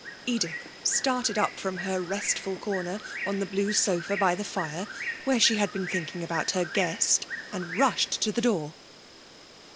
Edith started up from her restful corner on the blue sofa by the fire, where she had been thinking about her guest, and rushed to the door.